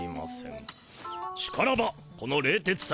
しからばこの冷徹斎